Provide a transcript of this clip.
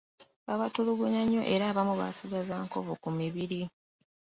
Baabatulugunya nnyo era abamu baasigaza nkovu ku mibiri.